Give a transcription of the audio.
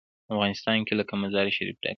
افغانستان له مزارشریف ډک دی.